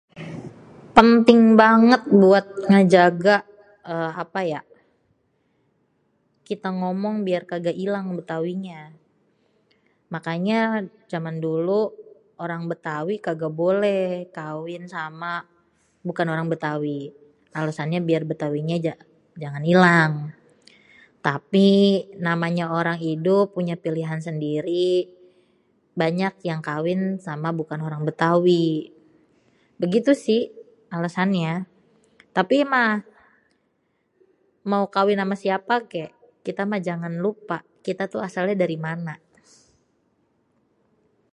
penting banget buat ngejaga, ehh, apaya, kita ngomong biar kaga ilang betawi nya makanya jaman dulu, orang betawi kagak boleh, kawin sama bukan orang betawi alasanye biar betawi nya jangan ilang, tapi namanya orang idup punya pilihan sendiri banyak yang kawin yang enggak sama orang betawi, begitu sih alesannye, tapi mah, mau kawin sama siapa ge kita mah jangan lupa, kita tuh asal nya dari mana.